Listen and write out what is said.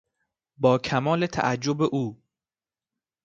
با کمال تعجب او